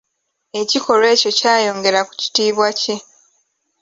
Ekikolwa ekyo kyayongera ku kitiibwa kye.